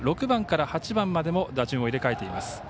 ６番から８番までも打順を入れ替えています。